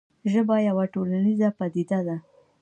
ژبه یوه ټولنیزه پدیده ده.